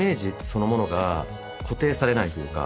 そのものが固定されないというか